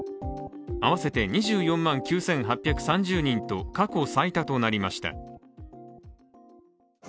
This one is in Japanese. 合わせて２４万９８３０人と過去最多となりました。